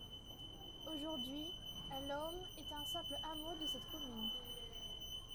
Aujourd'hui, Alleaume est un simple hameau de cette commune.